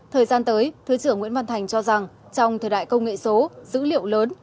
thời gian tới thứ trưởng nguyễn văn thành cho rằng trong thời đại công nghệ số dữ liệu lớn